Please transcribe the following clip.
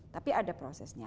tapi ada prosesnya